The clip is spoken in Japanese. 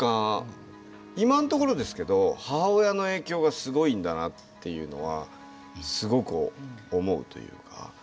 今んところですけど母親の影響がすごいんだなっていうのはすごく思うというか。